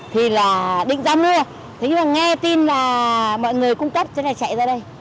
theo tin là mọi người cung cấp cho người chạy ra đây